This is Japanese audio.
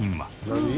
「何？